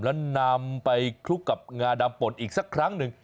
แล้วนำไปคลุกกับงาดำป่นอีกสักครั้งหนึ่ง